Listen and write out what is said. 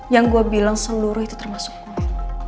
yang saya katakan itu semua termasuk saya